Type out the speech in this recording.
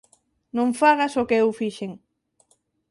Non fagas o que eu fixen.